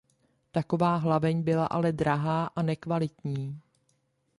Taková hlaveň byla ale drahá a nekvalitní.